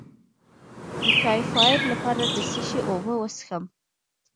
د ټایفایډ لپاره د څه شي اوبه وڅښم؟